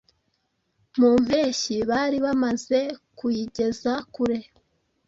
Mu mpeshyi, bari bamaze kuyigeza kure